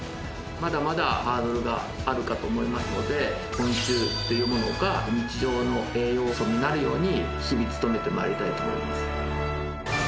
まだまだハードルがあるかと思いますので昆虫というものが日常の栄養素になるように日々努めて参りたいと思います。